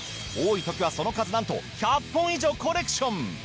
多い時はその数なんと１００本以上コレクション！